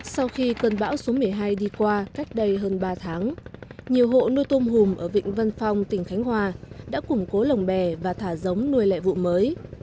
sau khi cơn bão số một mươi hai đi qua cách đây hơn ba tháng nhiều hộ nuôi tôm hùm ở vịnh vân phong tỉnh khánh hòa đã củng cố lồng bè và thả giống nuôi lại vụ mới